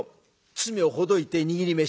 包みをほどいて握り飯。